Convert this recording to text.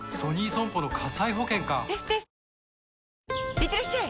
いってらっしゃい！